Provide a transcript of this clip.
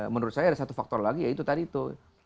menurut saya ada satu faktor lagi yaitu tadi itu